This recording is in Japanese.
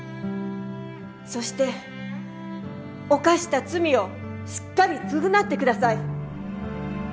そして犯した罪をしっかり償って下さい。